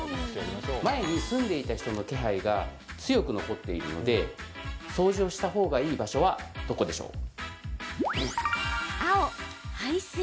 前に住んでいた人の気配が強く残っているので掃除をした方がいい場所はどこでしょう？